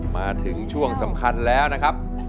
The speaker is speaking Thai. มาถึงช่วงสำคัญแล้วนะครับ